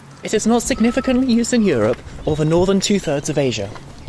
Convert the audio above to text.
It is not significantly used in Europe or the northern two thirds of Asia.